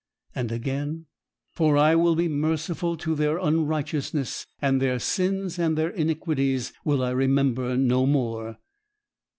And again: "For I will be merciful to their unrighteousness, and their sins and their iniquities will I remember no more."